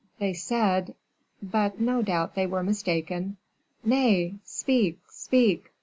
"They said but, no doubt, they were mistaken " "Nay, speak, speak!"